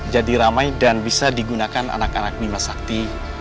jadi ramai dan bisa digunakan anak anak mimasakti